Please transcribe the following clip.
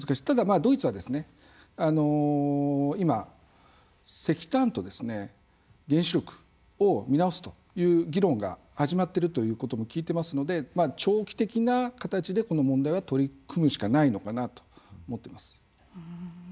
ただドイツは今石炭と原子力を見直すという議論が始まっているということも聞いてますので長期的な形でこの問題は取り組むしかないのかなと思ってます。